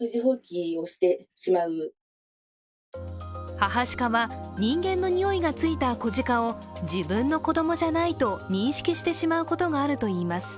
母鹿は、人間のにおいがついた子鹿を自分の子供じゃないと認識してしまうことがあるといいます。